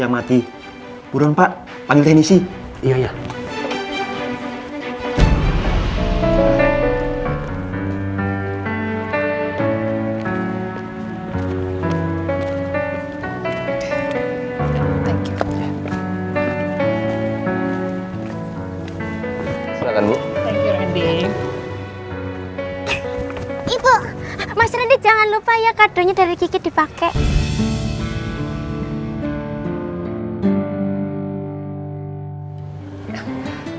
yang mati burung pak panggil teknisi iya iya ibu mas rendy jangan lupa ya kadonya dari kiki dipakai